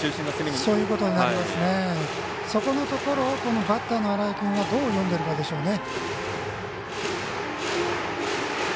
そこのところをバッターの新井君がどう読んでるかですね。